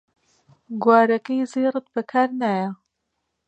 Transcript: گوارەکەی زێڕت بەکار نایە